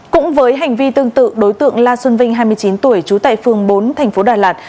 cũng với hành vi tương tự đối tượng la xuân vinh hai mươi chín tuổi trú tại phường bốn thành phố đà lạt